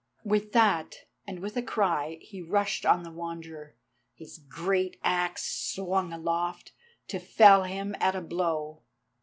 With that, and with a cry, he rushed on the Wanderer, his great axe swung aloft, to fell him at a blow.